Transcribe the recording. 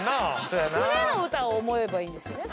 船の歌を思えばいいんですよね。